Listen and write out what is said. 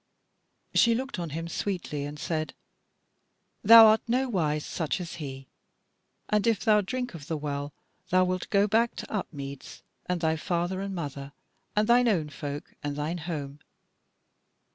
She looked on him sweetly and said: "Thou art nowise such as he; and if thou drink of the Well, thou wilt go back to Upmeads, and thy father and mother, and thine own folk and thine home.